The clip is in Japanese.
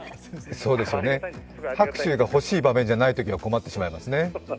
拍手が欲しい場面じゃないときは困っちゃいますね。